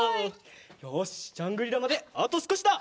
よしジャングリラまであとすこしだ！